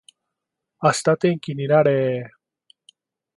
明日天気になれー